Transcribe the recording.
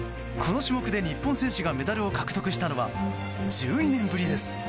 この種目で日本選手がメダルを獲得したのは１２年ぶりです。